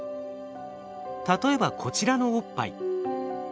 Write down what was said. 例えばこちらのおっぱい。